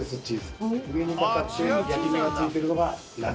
上にかかって焼き目がついてるのが。